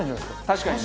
確かに。